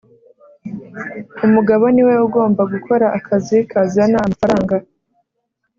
Umugabo ni we ugomba gukora akazi kazana amafaranga